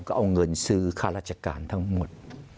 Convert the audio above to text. ก็เอาเงินซื้อค่าราชการทั้งหมด